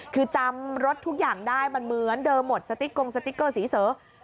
คือจำรถทุกอย่างได้มันเหมือนเดิมหมดสติ๊กกงสติ๊กเกอร์สีเสือ